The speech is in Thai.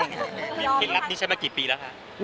เคล็ดลับนี้ใช้มากี่ปีแล้วคะ